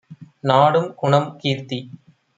நாடும் குணம், கீர்த்தி